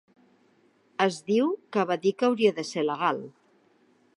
Es diu que va dir que hauria de ser legal.